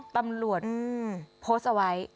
ตำรวจโพสต์เอาไว้